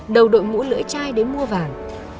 đầu đội mũi lưỡi chai đến mua vàng